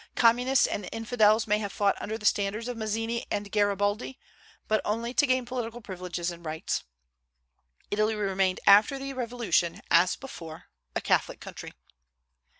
Communists and infidels may have fought under the standards of Mazzini and Garibaldi, but only to gain political privileges and rights. Italy remained after the revolution, as before, a Catholic country.